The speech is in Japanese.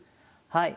はい。